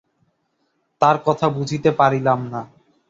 তার কথা বুঝিতে পারিলাম না।